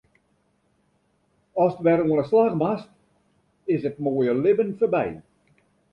Ast wer oan 'e slach moatst, is it moaie libben foarby.